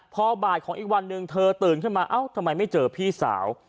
พอบ่ายของอีกวันหนึ่งเธอตื่นขึ้นมาเอ้าทำไมไม่เจอพี่สาว